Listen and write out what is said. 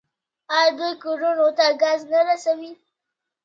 آیا دوی کورونو ته ګاز نه رسوي؟